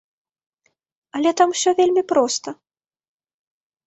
Але там усё вельмі проста.